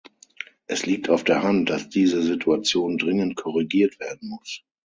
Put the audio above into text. Es liegt auf der Hand, dass diese Situation dringend korrigiert werden muss.